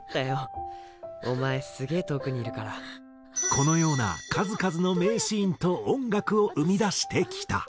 このような数々の名シーンと音楽を生み出してきた。